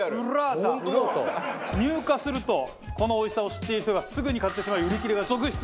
入荷するとこの美味しさを知っている人がすぐに買ってしまい売り切れが続出！